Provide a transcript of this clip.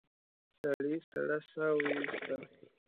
سړي سړه سا ويسته.